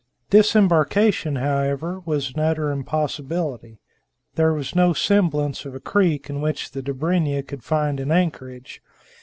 Disembarkation, however, was an utter impossibility. There was no semblance of a creek in which the Dobryna could find an anchorage.